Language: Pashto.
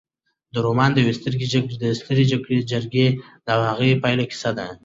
دا رومان د یوې سترې جګړې او د هغې د پایلو کیسه ده.